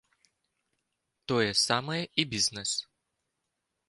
Тое самае і бізнес.